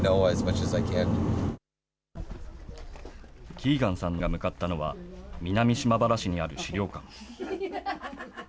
キーガンさんが向かったのは、南島原市にある資料館。